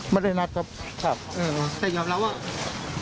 ไม่ได้นัดครับใช่ครับแต่ยอมรับว่า